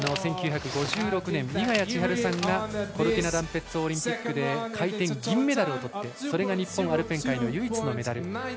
１９５６年、猪谷千春さんがコルティナダンペッツォオリンピックで回転銀メダルをとってそれが日本アルペン界の唯一のメダル。